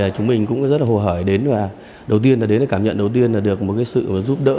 chúng mình cũng rất hồ hởi đến và cảm nhận đầu tiên là được một sự giúp đỡ